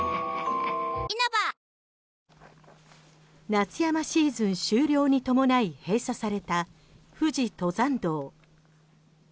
夏山シーズン終了に伴い閉鎖された富士登山道。